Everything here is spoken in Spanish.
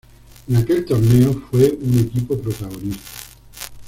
En aquel torneo, fue un equipo protagonista.